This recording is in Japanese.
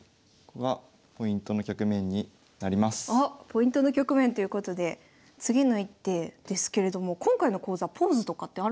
ここがあっポイントの局面ということで次の一手ですけれども今回の講座ポーズとかってあるんですか？